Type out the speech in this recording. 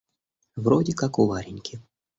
В роде как у Вареньки.